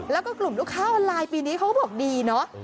แล้วก็กลุ่มลูกค้าออนไลน์ปีนี้เขาก็บอกดีเนาะ